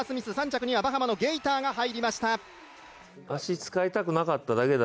３着にはバハマのゲイターが入りました。